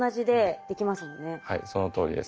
はいそのとおりです。